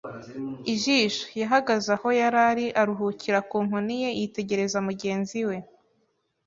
ijisho. Yahagaze aho yari ari, aruhukira ku nkoni ye, yitegereza mugenzi we